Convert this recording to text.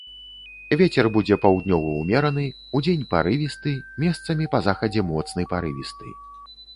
Вецер будзе паўднёвы ўмераны, удзень парывісты, месцамі па захадзе моцны парывісты.